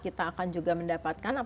kita akan juga mendapatkan